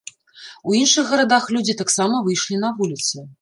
У іншых гарадах людзі таксама выйшлі на вуліцы.